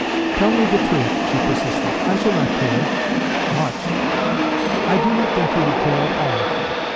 "Tell me the truth," she persisted. "I shall not care much." "I do not think you would care at all."